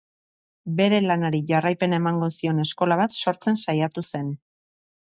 Bere lanari jarraipena emango zion eskola bat sortzen saiatu zen.